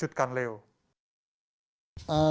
itu mengejutkan leo